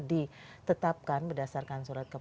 ditetapkan berdasarkan surat kelas